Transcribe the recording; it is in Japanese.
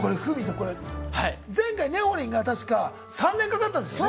これ前回ねほりんが確か３年かかったんですよね。